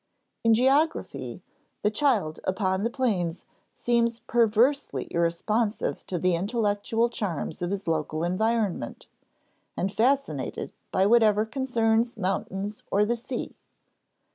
In geography, the child upon the plains seems perversely irresponsive to the intellectual charms of his local environment, and fascinated by whatever concerns mountains or the sea.